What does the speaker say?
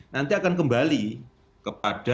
nanti akan kembali kepada